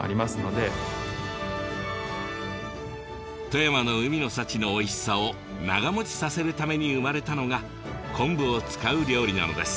富山の海の幸のおいしさを長もちさせるために生まれたのが昆布を使う料理なのです。